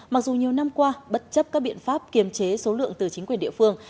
mặc dù nhiều năm qua bất chấp các biện pháp kiềm chế số lượng từ chính quyền địa phương